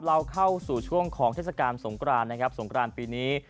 เราเข้าสู่ช่วงของเทศกาลสงกรานนะครับสงกรานปีนี้